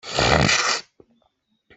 A chim men mi a si.